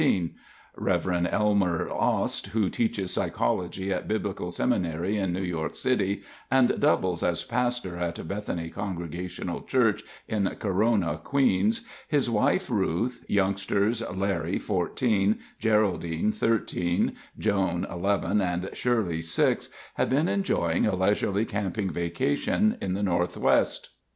Rev. Elmer Ost, who teaches psychology at Biblical Seminary in New York City and doubles as pastor at Bethany Congregational Church in Corona, Queens, his wife, Ruth, youngsters, Larry, 14, Geraldine, 13, Joan, 11, and Shirley, 6 had been enjoying a leisurely camping vacation in the Northwest.